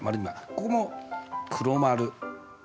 ここも黒丸。